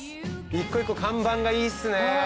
１個１個看板がいいですね。